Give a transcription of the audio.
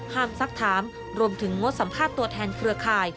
ซักถามรวมถึงงดสัมภาษณ์ตัวแทนเครือข่าย